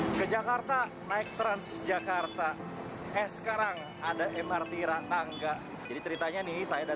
hai ke jakarta naik transjakarta eh sekarang ada mrt raktangga jadi ceritanya nih saya dan